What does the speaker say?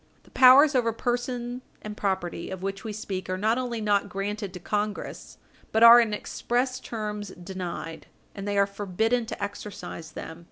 The powers over person and property of which we speak are not only not granted to Congress, but are in express terms denied, and they are forbidden to exercise them.